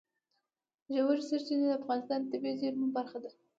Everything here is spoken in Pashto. ژورې سرچینې د افغانستان د طبیعي زیرمو برخه ده.